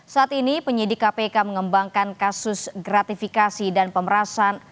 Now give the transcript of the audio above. saat ini penyidik kpk mengembangkan kasus gratifikasi dan pemerasan